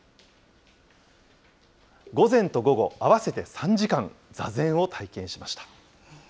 午前と午後、合わせて３時間、座禅を体験しました。